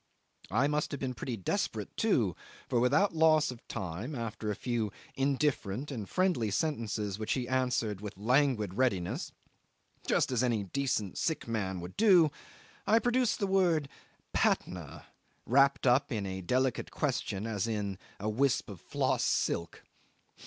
I must have been pretty desperate too, for, without loss of time, after a few indifferent and friendly sentences which he answered with languid readiness, just as any decent sick man would do, I produced the word Patna wrapped up in a delicate question as in a wisp of floss silk.